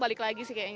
terima kasih ibu